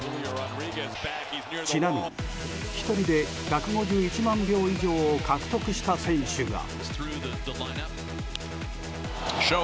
ちなみに１人で１５１万票以上を獲得した選手が。